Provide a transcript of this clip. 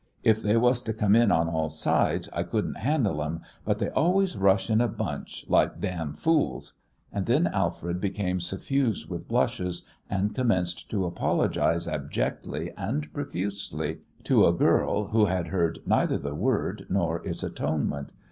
If they was to come in on all sides, I couldn't handle 'em, but they always rush in a bunch, like damn fools!" and then Alfred became suffused with blushes, and commenced to apologise abjectly and profusely to a girl who had heard neither the word nor its atonement.